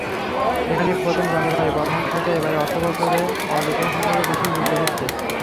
সেখানেই প্রথম জানতে পারি, বর্তমান সরকার এবারের অর্থবছরে পর্যটনশিল্পকে বিশেষ গুরুত্ব দিচ্ছে।